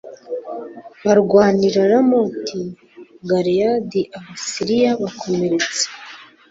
barwanira i Ramoti Galeyadi Abasiriya bakomeretsa